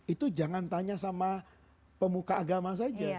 itu jangan tanya sama pemuka agama saja